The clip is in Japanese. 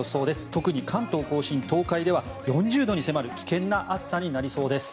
特に関東・甲信、東海では４０度に迫る危険な暑さになりそうです。